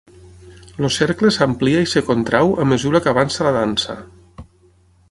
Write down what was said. El cercle s'amplia i es contrau a mesura que avança la dansa.